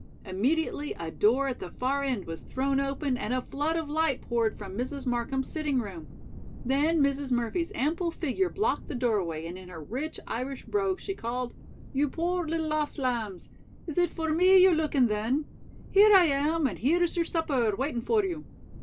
Immediately a door at the far end was thrown open and a flood of light poured from Mrs. Markham's sitting room. Then Mrs. Murphy's ample figure blocked the doorway, and in her rich Irish brogue she called: "You poor little lost lambs, is it for me you're lookin', then? Here I am and here's your supper waitin' for you."